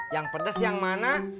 yang pedes yang mana